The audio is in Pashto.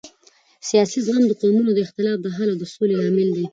سیاسي زغم د قومونو د اختلافاتو د حل او سولې لامل دی